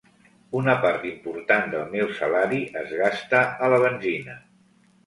Una part important del meu salari es gasta a la benzina.